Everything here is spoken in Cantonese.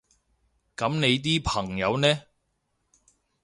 噉你啲朋友呢？